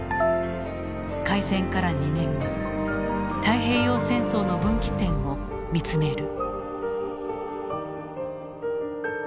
開戦から２年目太平洋戦争の分岐点を見つめる。